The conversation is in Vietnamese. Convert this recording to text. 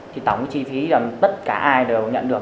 thì tổng chi phí là tất cả ai đều nhận được